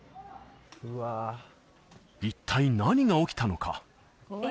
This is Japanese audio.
一体何が起きたのか？